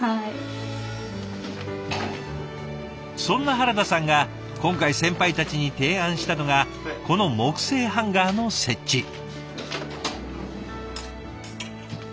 そんな原田さんが今回先輩たちに提案したのがこの木製ハンガーの設置。